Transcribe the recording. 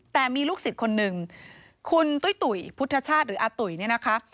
แต่มีลูกศิษย์คนหนึ่งคุณตุ้ยตุ๋ยพุทธชาติหรืออาตุ๋ยเนี่ยนะคะ